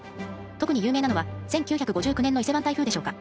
特に有名なのは１９５９年の伊勢湾台風でしょうか。